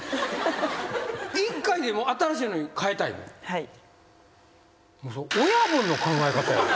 はい。